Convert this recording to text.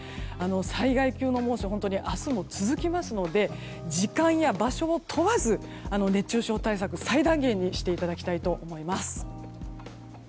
災害級の猛暑が本当に明日も続きますので時間や場所を問わず熱中症対策を最大限にしていただきたいと思います。